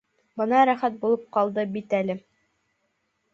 — Бына рәхәт булып ҡалды бит әле!